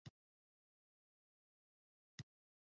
علي له کلونو مسافرۍ ورسته په ځای شوی دی.